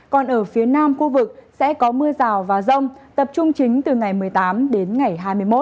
còn ở phía nam khu vực sẽ có mưa rào và rông tập trung chính từ ngày một mươi tám đến ngày hai mươi một